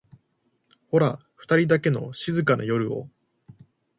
ホラふたりだけの静かな夜を